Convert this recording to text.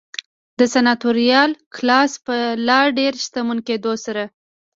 د سناتوریال کلاس په لا ډېر شتمن کېدو سره.